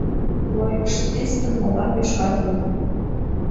Лойгышо тистын молан йошкар улмым